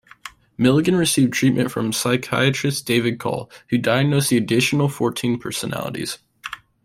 Milligan received treatment from psychiatrist David Caul, who diagnosed the additional fourteen personalities.